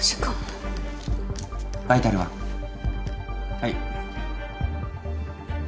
はい。